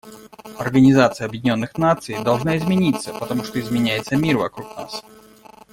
Организация Объединенных Наций должна измениться, потому что изменяется мир вокруг нас.